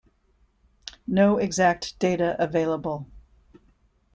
No exact data available.